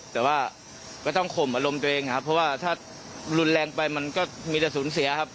แต่ว่าก็ต้องข่มอารมณ์ตัวเองครับเพราะว่าถ้ารุนแรงไปมันก็มีแต่สูญเสียครับ